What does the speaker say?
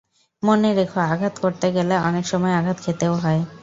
মনে রেখ, আঘাত করতে গেলে অনেক সময় আঘাত খেতেও হয়।